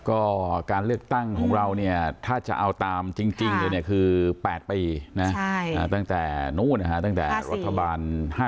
ก็การเลือกตั้งของเราถ้าจะเอาตามจริงคือ๘ปีตั้งแต่โน้นตั้งแต่รัฐบาล๕๔